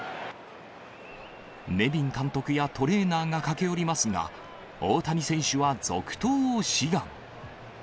ネビン監督や、トレーナーが駆け寄りますが、大谷選手は続投を志願。